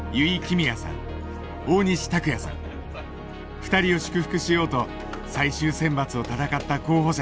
２人を祝福しようと最終選抜を闘った候補者たちが駆けつけた。